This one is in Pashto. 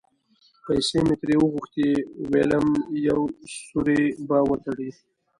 پیسې مې ترې وغوښتې؛ وېلم یو سوری به وتړي.